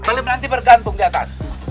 belum nanti bergantung di atas